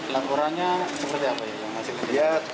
laporannya seperti apa